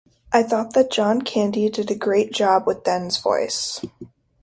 I thought that John Candy did a great job with Den's voice.